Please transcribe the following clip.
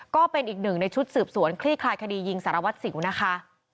ก็เป็นอีกหนึ่งในชุดสืบสวนคลี่คลายคดียิงสารวัตรสิวนะคะ